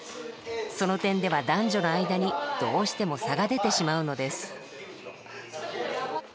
その点では男女の間にどうしても差が出てしまうのです。